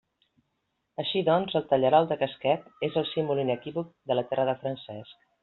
Així doncs, el tallarol de casquet és el símbol inequívoc de la terra de Francesc.